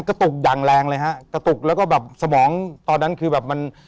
ตุกอย่างแรงเลยฮะกระตุกแล้วก็แบบสมองตอนนั้นคือแบบมัน